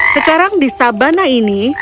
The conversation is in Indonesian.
sekarang di sabana ini